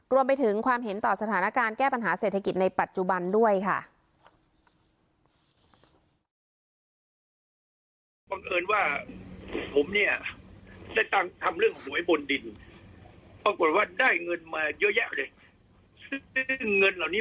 รวมไปถึงความเห็นต่อสถานการณ์แก้ปัญหาเศรษฐกิจในปัจจุบันด้วยค่ะ